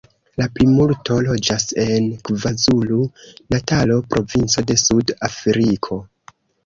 La plimulto loĝas en Kvazulu-Natalo, provinco de Sud-Afriko.